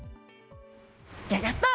ギョギョっと。